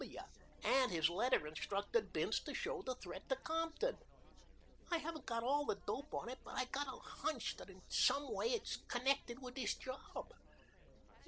W.W., and his letter instructed Bince to show the threat to Compton. I haven't got all the dope on it, but I've got a hunch that in some way it is connected with this job.